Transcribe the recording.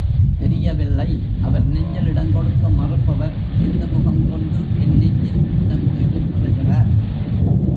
தெரியவில்லை. அவர் நெஞ்சில் இடம் கொடுக்க மறுப்பவர், எந்த முகம் கொண்டு என் நெஞ்சில் இடம் கேட்டுப் பெறுகிறார்?